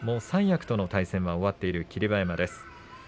三役との対戦は終わっている霧馬山です。